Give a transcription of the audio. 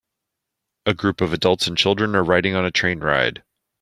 A group of adults and children are riding on a train ride.